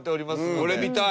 これ見たい！